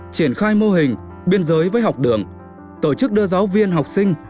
triển khai mô hình biên giới với học đường tổ chức đưa giáo viên học sinh